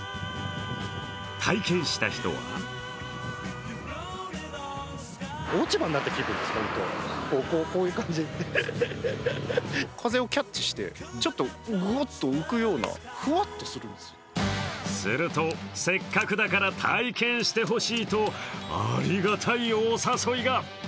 体験した人はすると、せっかくだから体験してほしいとありがたいお誘いが。